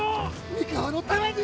三河のために！